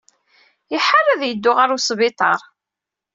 Iḥar ad yeddu ɣer wesbiṭar.